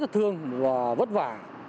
họ rất thương và vất vả